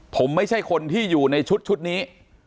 ผมไม่ใช่คนที่อยู่ในชุดนี้